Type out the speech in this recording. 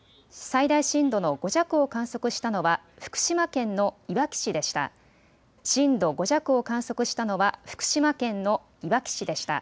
最大震度の５弱を観測したのは福島県のいわき市でした。